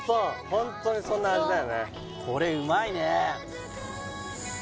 ホントにそんな味だよねえっ